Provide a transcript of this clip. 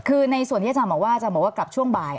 คือในส่วนที่อาจารย์หมอว่ากลับช่วงบ่าย